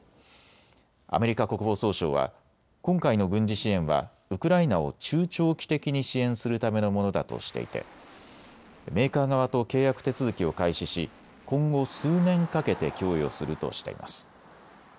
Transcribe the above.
アメリカ国防総省は今回の軍事支援はウクライナを中長期的に支援するためのものだとしていて、メーカー側と契約手続きを開始し今後、数年かけて供与するとしています。